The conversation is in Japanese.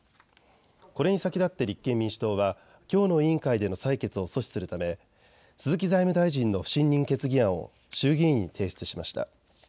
これに先立って立憲民主党はきょうの委員会での採決を阻止するため鈴木財務大臣の不信任決議案を衆議院に提出しました。